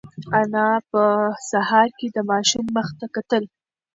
انا په سهار کې د ماشوم مخ ته کتل.